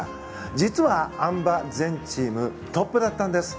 実はあん馬、全チームトップだったんです。